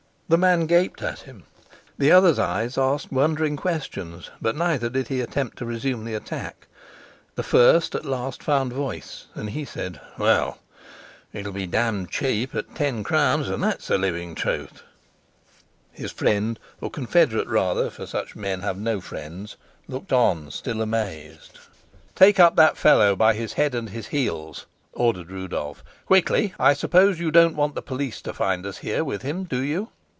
The man gaped at him; the other's eyes asked wondering questions, but neither did he attempt to resume the attack. The first at last found voice, and he said, "Well, it'd be damned cheap at ten crowns, and that's the living truth." His friend or confederate rather, for such men have no friends looked on, still amazed. "Take up that fellow by his head and his heels," ordered Rudolf. "Quickly! I suppose you don't want the police to find us here with him, do you?